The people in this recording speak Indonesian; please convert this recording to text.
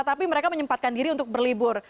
tapi mereka menyempatkan diri untuk berlibur